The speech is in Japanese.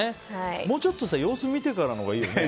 もうちょっと様子見てからのほうがいいよね。